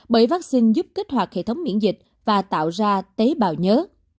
bởi vaccine giúp kích hoạt hệ thống miễn dịch và tạo ra tế bào nhớ